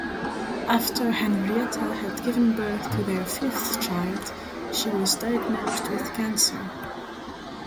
After Henrietta had given birth to their fifth child she was diagnosed with cancer.